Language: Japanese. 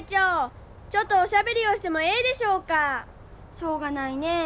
しょうがないね。